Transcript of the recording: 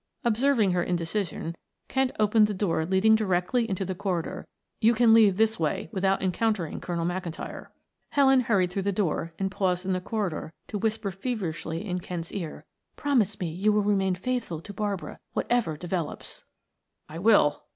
Observing her indecision, Kent opened the door leading directly into the corridor. "You can leave this way without encountering Colonel McIntyre." Helen hurried through the door and paused in the corridor to whisper feverishly in Kent's ear, "Promise me you will remain faithful to Barbara whatever develops." "I will!"